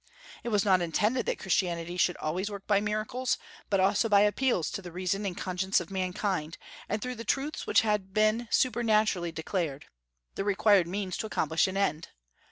It was not intended that Christianity should always work by miracles, but also by appeals to the reason and conscience of mankind, and through the truths which had been supernaturally declared, the required means to accomplish an end.